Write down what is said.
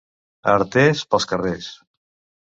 A Artés, pels carrers.